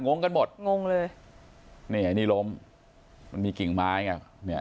งงกันหมดงงเลยเนี่ยอันนี้ล้มมันมีกลิ่งไม้อย่างเงี้ย